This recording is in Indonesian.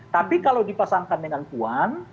tapi kalau dipasangkan dengan puan